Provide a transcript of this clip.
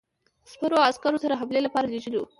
سپرو عسکرو سره حملې لپاره لېږلی وو.